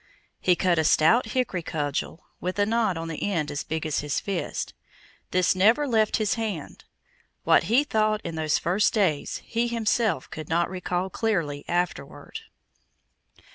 He cut a stout hickory cudgel, with a knot on the end as big as his fist; this never left his hand. What he thought in those first days he himself could not recall clearly afterward.